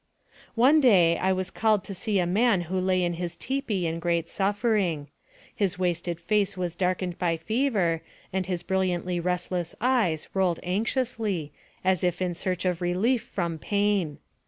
One day, I was called to see a man who lay in his tipi iu great suffering. His wasted face was dark ened by fever, and his brilliantly restless eyes rolled anxiously, as if in search of relief from pain.